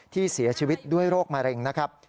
ที่เสียชีวิตด้วยโรคมะเร็งนะครับ